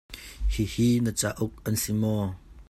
Hihi na cauk an si maw?